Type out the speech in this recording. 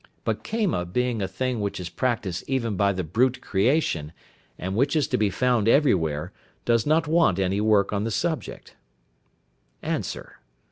But Kama being a thing which is practised even by the brute creation, and which is to be found everywhere, does not want any work on the subject. _Answer.